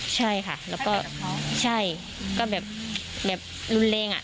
ใช่ค่ะแล้วก็ใช่ก็แบบรุนแรงอ่ะ